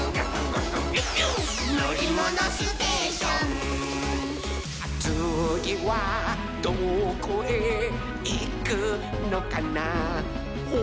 「のりものステーション」「つぎはどこへいくのかなほら」